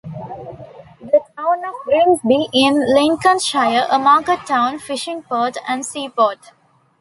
The town of Grimsby in Lincolnshire, a market town, fishing port and seaport.